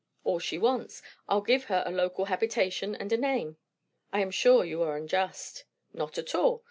"All she wants. I'll give her a local habitation and a name." "I am sure you are unjust." "Not at all.